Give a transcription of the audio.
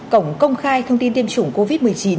cổng công khai thông tin tiêm chủng covid một mươi chín